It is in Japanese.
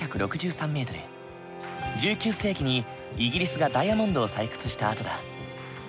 １９世紀にイギリスがダイヤモンドを採掘した跡だ。